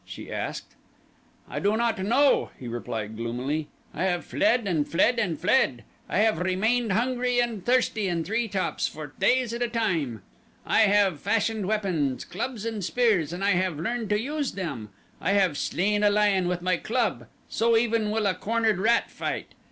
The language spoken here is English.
she asked. "I do not know," he replied gloomily. "I have fled and fled and fled. I have remained hungry and thirsty in tree tops for days at a time. I have fashioned weapons clubs and spears and I have learned to use them. I have slain a lion with my club. So even will a cornered rat fight.